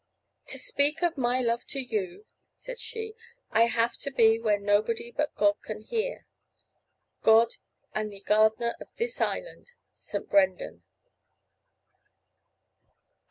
"To speak of my love to you," said she, "I have to be where nobody but God can hear God and the gardener of this island, St. Brendan."